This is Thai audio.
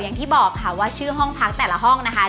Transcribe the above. อย่างที่บอกค่ะว่าชื่อห้องพักแต่ละห้องนะคะ